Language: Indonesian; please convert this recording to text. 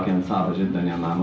menentukan pertandingan terakhir ini